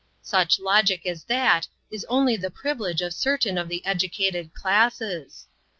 Such logic as that is only the privilege of certain of the educated classes